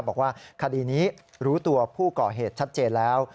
บอกว่าคดีนี้รู้ตัวผู้ก่อเหตุชัดเจนแล้ว